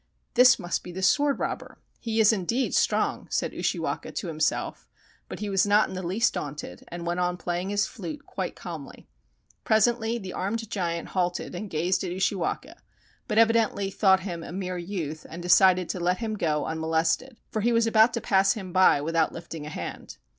"This must be the sword robber! He is, indeed, strong!" said Ushiwaka to himself , but he was not in the least daunted, and went on playing his flute quite calmly. Presently the armed giant halted and gazed at Ushi waka, but evidently thought him a mere youth, and de cided to let him go unmolested, for he was about to pass him by without lifting a hand.